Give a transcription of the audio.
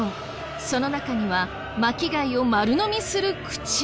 その中には巻き貝を丸のみする口が！